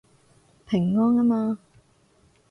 平安吖嘛